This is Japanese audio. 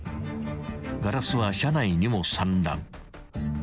［ガラスは車内にも散乱］